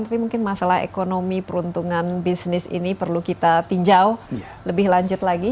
tapi mungkin masalah ekonomi peruntungan bisnis ini perlu kita tinjau lebih lanjut lagi